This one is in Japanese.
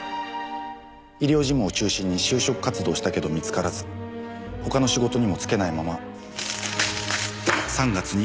医療事務を中心に就職活動したけど見つからず他の仕事にも就けないまま３月に彼女と破局。